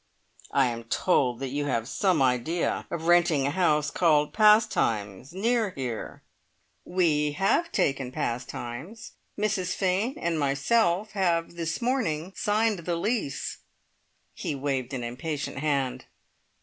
"I am told that you have some idea of renting a house called Pastimes, near here!" "We have taken Pastimes. Mrs Fane and myself have this morning signed the lease." He waved an impatient hand.